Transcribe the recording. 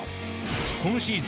今シーズン